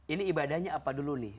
ini ibadahnya apa dulu nih